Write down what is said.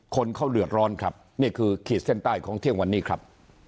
คนเขาเดือดร้อนครับนี่คือขีดเส้นใต้ของเที่ยงวันนี้ครับ